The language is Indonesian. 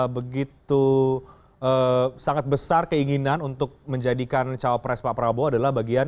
begitu sangat besar keinginan untuk menjadikan cawapres pak prabowo adalah bagian